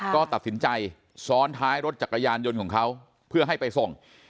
ก็ตัดสินใจซ้อนท้ายรถจักรยานยนต์ของเขาเพื่อให้ไปส่ง